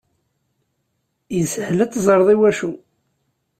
Yeshel ad teẓreḍ iwacu.